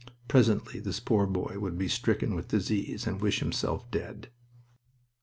Presently this poor boy would be stricken with disease and wish himself dead.